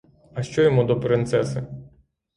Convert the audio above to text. А що йому до принцеси?